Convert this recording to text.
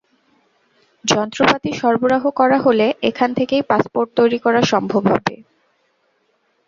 যন্ত্রপাতি সরবরাহ করা হলে এখান থেকেই পাসপোর্ট তৈরি করা সম্ভব হবে।